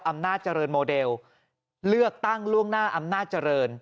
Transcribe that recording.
อำนาจเจริญโมเดลเลือกตั้งล่วงหน้าอำนาจเจริญ